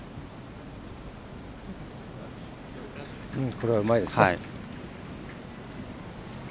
これはうまいですね。